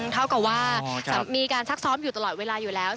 เท่ากับว่ามีการซักซ้อมอยู่ตลอดเวลาอยู่แล้ว